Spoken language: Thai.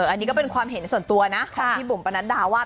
อันนี้ก็เป็นความเห็นส่วนตัวนะของพี่บุ๋มปะนัดดาว่า